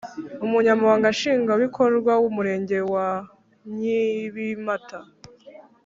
Umunyamabanga Nshingwabikorwa w’Umurenge wa Nyabimata